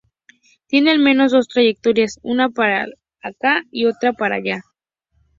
Tiene al menos dos trayectorias, una para acá y otra para allá.